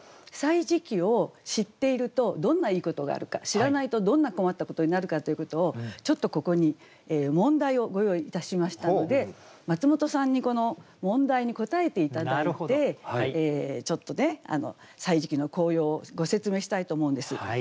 知らないとどんな困ったことになるかということをちょっとここに問題をご用意いたしましたのでマツモトさんにこの問題に答えて頂いてちょっとね「歳時記」の効用をご説明したいと思うんです。